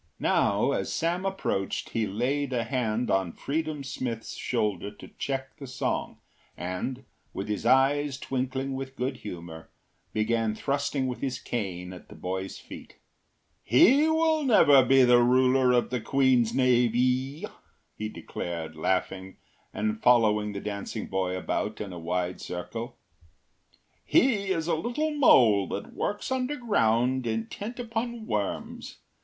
Now as Sam approached he laid a hand on Freedom Smith’s shoulder to check the song, and, with his eyes twinkling with good humour, began thrusting with his cane at the boy’s feet. “He will never be ruler of the queen’s navee,” he declared, laughing and following the dancing boy about in a wide circle. “He is a little mole that works underground intent upon worms.